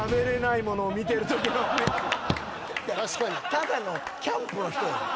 ただのキャンプの人やん。